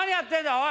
おい！